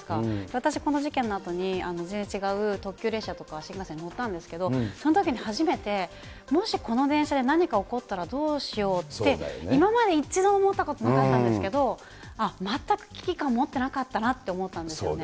私、この事件のあとに、全然違う特急列車とか新幹線に乗ったんですけれども、そのときに初めて、もしこの電車で何か起こったらどうしようって、今まで一度も思ったことなかったんですけれども、あっ、全く危機感持ってなかったなって思ったんですよね。